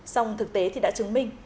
xong thực tế thì đã chứng minh